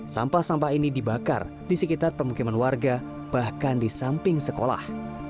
sampah sampah ini dibakar di sekitar pemukiman warga bahkan di samping sekolah